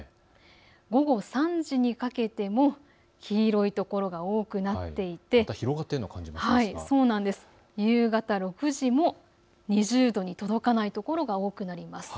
午後３時にかけても黄色い所が多くなっていて夕方６時も２０度に届かない所が多くなります。